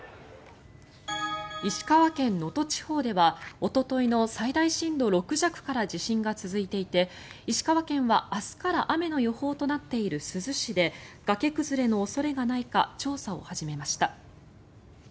石川県能登地方ではおとといの最大震度６弱から地震が続いていて石川県は明日から雨の予報となっている珠洲市で崖崩れの恐れがないか調査を始めました。